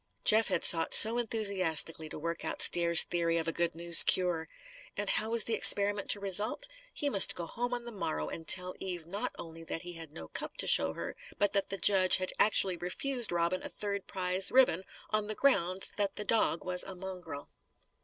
Jeff had sought so enthusiastically to work out Stair's theory of a "good news" cure! And how was the experiment to result? He must go home on the morrow and tell Eve not only that he had no cup to show her, but that the judge had actually refused Robin a third prize ribbon, on the ground that the dog was a mongrel!